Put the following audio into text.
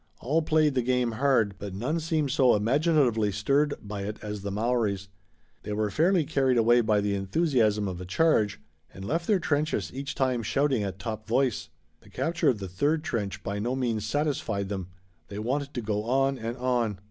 All played the game hard, but none seemed so imaginatively stirred by it as the Maoris. They were fairly carried away by the enthusiasm of a charge, and left their trenches each time shouting at top voice. The capture of the third trench by no means satisfied them. They wanted to go on and on.